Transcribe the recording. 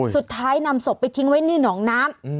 นำศพไปทิ้งไว้ในหนองน้ำ